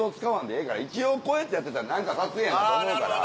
一応こうやってやってたら何か撮影やって思うから。